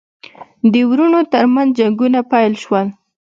د وروڼو ترمنځ جنګونه پیل شول.